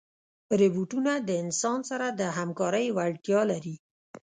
روبوټونه د انسان سره د همکارۍ وړتیا لري.